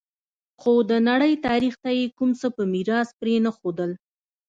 خو د نړۍ تاریخ ته یې کوم څه په میراث پرې نه ښودل